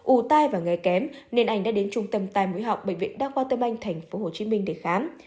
ủ tai và nghe kém nên anh đã đến trung tâm tai mũi họng bệnh viện đa khoa tâm anh tp hcm để khám